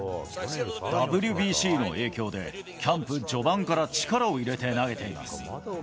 ＷＢＣの影響で、キャンプ序盤から力を入れて投げています。